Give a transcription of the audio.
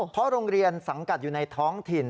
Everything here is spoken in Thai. เพราะโรงเรียนสังกัดอยู่ในท้องถิ่น